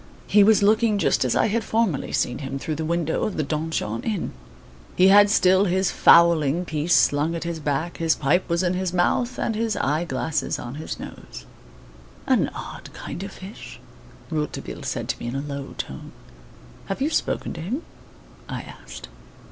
He was looking just as I had formerly seen him through the window of the Donjon Inn. He had still his fowling piece slung at his back, his pipe was in his mouth, and his eye glasses on his nose. "An odd kind of fish!" Rouletabille said to me, in a low tone. "Have you spoken to him?" I asked.